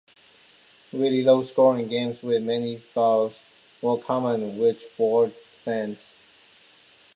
Very low-scoring games with many fouls were common, which bored fans.